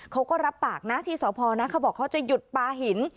เขาก็รับปากนะที่สพนะเขาบอกเขาจะหยุดปลาหิน